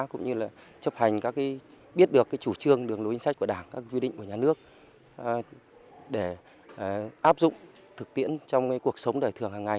cũng như là chấp hành biết được chủ trương đường lối chính sách của đảng các quy định của nhà nước để áp dụng thực tiễn trong cuộc sống đời thường hàng ngày